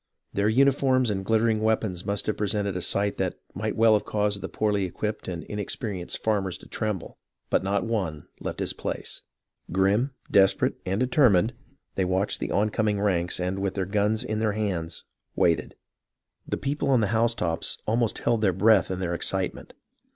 Their uniforms and glittering weapons must have presented a sight that might well have caused the poorly equipped and inexperi enced farmers to tremble, but not one left his place. Grim, desperate, and determined they watched the oncoming ranks, and, with their guns in their hands, waited. The people on the housetops almost held their breath in their excitement.